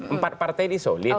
empat partai ini solid